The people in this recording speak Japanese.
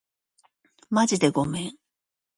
まじでごめん